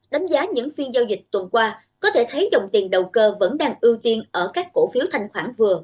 đánh giá những phiên giao dịch tuần qua có thể thấy dòng tiền đầu cơ vẫn đang ưu tiên ở các cổ phiếu thanh khoản vừa